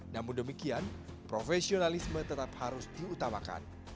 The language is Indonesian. namun demikian profesionalisme tetap harus diutamakan